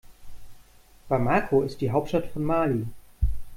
Bamako ist die Hauptstadt von Mali.